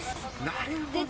なるほど。